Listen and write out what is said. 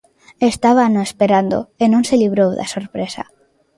Estábano esperando e non se librou da sorpresa.